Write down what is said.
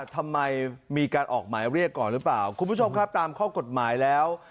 ทำไมมีการออกหมายเรียกก่อนหรือเปล่าคุณผู้ชมครับตามข้อกฎหมายแล้ว